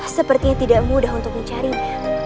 sepertinya tidak mudah untuk mencarinya